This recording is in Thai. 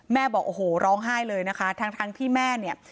บอกโอ้โหร้องไห้เลยนะคะทั้งทั้งที่แม่เนี่ย